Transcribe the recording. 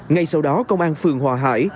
ngay sau đó công an phường hòa hải